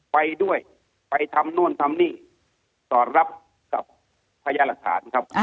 ไปด้วยไปทำโน่นทำนี่สอดรับกับพญาหลักฐานครับ